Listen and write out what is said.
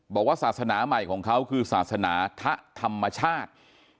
บอกว่าศาสนาใหม่ของเขาคือศาสนาทะธรรมชาติ